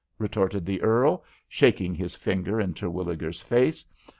retorted the earl, shaking his finger in Terwilliger's face.